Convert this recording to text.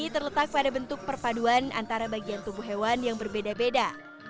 terletak pada bentuk perpaduan antara bagian tubuh hewan yang berbeda beda